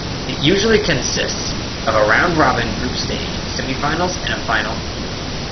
It usually consists of a round-robin group stage, semifinals, and a final.